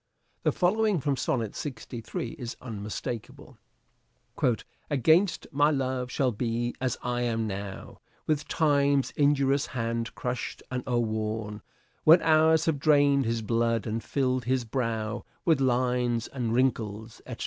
The following, from Sonnet 63 is unmistakable :—" Against my love shall be, as I am now, With Time's injurious hand crush 'd and o'erworn ; When hours have drain'd his blood and fill'd his brow With lines and wrinkles, etc."